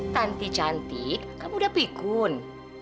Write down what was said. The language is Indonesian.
tanti cantik kamu udah pikun